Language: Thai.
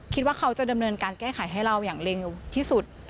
คิดว่าเขาจะดำเนินการแก้ไขให้เราอย่างเร็วที่สุด